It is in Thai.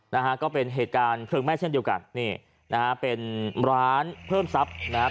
นะฮะก็เป็นเหตุการณ์เพลิงไหม้เช่นเดียวกันนี่นะฮะเป็นร้านเพิ่มทรัพย์นะฮะ